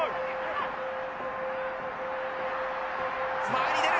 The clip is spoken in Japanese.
前に出る。